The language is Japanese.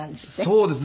そうですね。